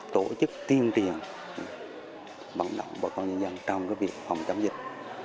tổ chức tiêm tiền bằng động bộ con người dân trong việc phòng chấm dịch